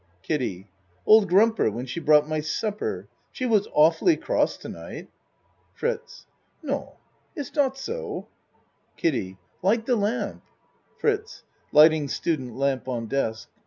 KIDDIE Old Grumper, when she brought my supper. She was awful cross to night. FRITZ No, iss dot so? KIDDIE Light the lamp. FRITZ (Lighting student lamp on desk.)